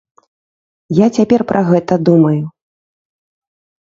Я цяпер пра гэта думаю.